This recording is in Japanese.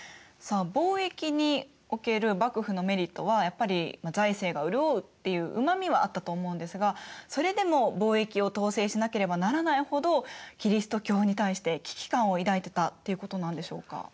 さあ貿易における幕府のメリットはやっぱり財政が潤うっていううまみはあったと思うんですがそれでも貿易を統制しなければならないほどキリスト教に対して危機感を抱いてたっていうことなんでしょうか？